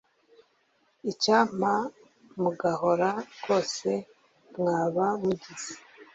Icyampa mugahora rwose mwaba mugize